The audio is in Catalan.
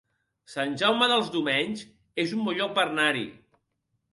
Sant Jaume dels Domenys es un bon lloc per anar-hi